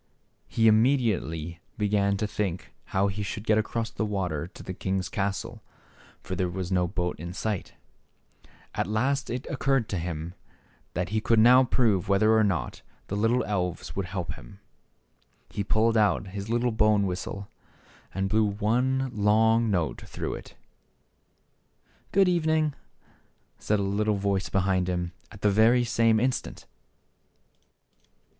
He immediately began to think how he should get across the water to the king's castle, for there was no boat in sight. At last it occurred to him that he could now prove whether or not the Hi? THE SHEPHERD BOY. G9 little elves would help him. He pulled out his little bone whistle and blew one long note through it. " Good evening !" said a voice behind him, at the very same instant.